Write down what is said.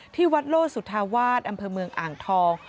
ที่วัดโลสุธาวาสอำเภอเมืองอ่างทอง